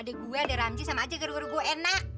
ada gue ada ramzi sama aja gara gara gua enak